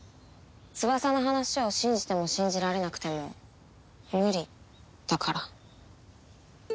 翼の話を信じても信じられなくても無理だから。